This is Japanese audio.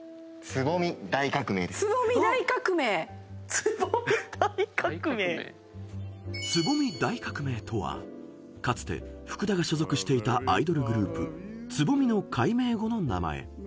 ［つぼみ大革命とはかつて福田が所属していたアイドルグループつぼみの改名後の名前］